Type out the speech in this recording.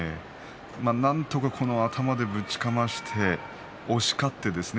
なんとか頭でぶちかましてほしかったですね。